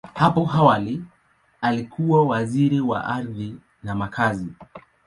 Hapo awali, alikuwa Waziri wa Ardhi na Makazi.